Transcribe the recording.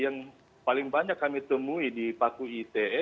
yang paling banyak kami temui di paku ite